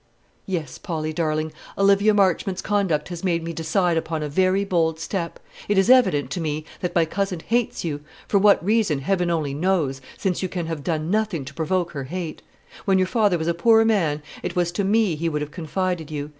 "Yes, Polly darling, Olivia Marchmont's conduct has made me decide upon a very bold step. It is evident to me that my cousin hates you; for what reason, Heaven only knows, since you can have done nothing to provoke her hate. When your father was a poor man, it was to me he would have confided you.